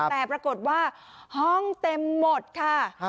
แต่ปรากฏว่าห้องเต็มหมดค่ะ